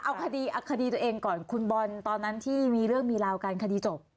เอาคดีตัวเองก่อนคุณบอลตอนนั้นที่มีเรื่องมีราวกันคดีจบ